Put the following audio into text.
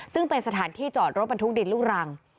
ซึ่งเป็นสถานที่จอดรถบรรทุกดินลูกรัง